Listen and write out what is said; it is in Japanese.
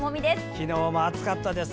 昨日も暑かったです。